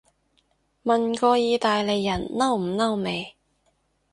問過意大利人嬲唔嬲未